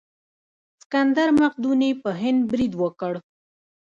سکندر مقدوني په هند برید وکړ.